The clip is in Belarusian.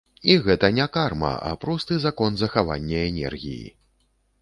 І гэта не карма, а просты закон захавання энергіі.